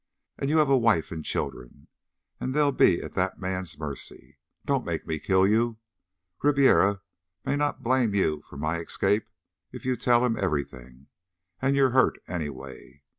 And you have a wife and children and they'll be at that man's mercy. Don't make me kill you. Ribiera may not blame you for my escape if you tell him everything and you're hurt, anyway.